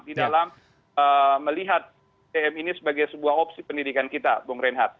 di dalam melihat tm ini sebagai sebuah opsi pendidikan kita bung reinhardt